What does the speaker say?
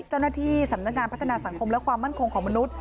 เจ้าหน้าที่สำนักงานพัฒนาสังคมและความมั่นคงของมนุษย